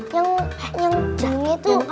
yang janget itu